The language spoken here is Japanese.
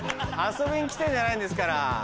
遊びに来てるんじゃないんですから。